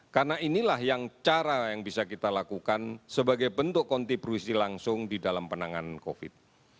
karena inilah yang cara yang bisa kita lakukan sebagai bentuk kontribusi langsung di dalam penanganan covid sembilan belas